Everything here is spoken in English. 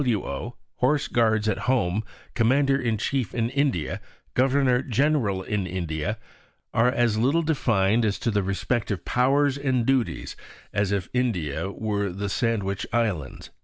W.O., Horse Guards at home, Commander in Chief in India, Governor General in India are as little defined as to the respective powers and duties as if India were the Sandwich Islands."